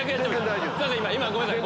ごめんなさい！